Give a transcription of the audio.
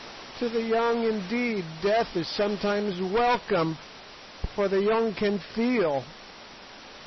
To the young, indeed, death is sometimes welcome, for the young can feel.